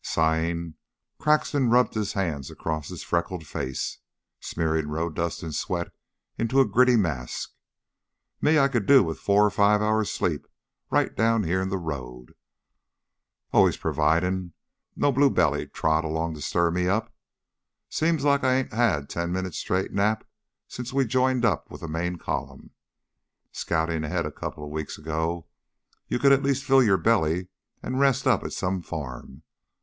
Sighing, Croxton rubbed his hand across his freckled face, smearing road dust and sweat into a gritty mask. "Me I could do with four or five hours' sleep, right down here in the road. Always providin' no blue belly'd trot along to stir me up. Seems like I ain't had a ten minutes' straight nap since we joined up with the main column. Scoutin' ahead a couple weeks ago you could at least fill your belly and rest up at some farm.